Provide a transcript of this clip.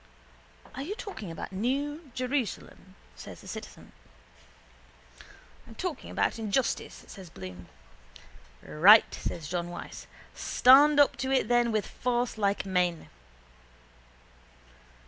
—Are you talking about the new Jerusalem? says the citizen. —I'm talking about injustice, says Bloom. —Right, says John Wyse. Stand up to it then with force like men.